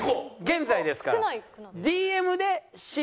現在ですから。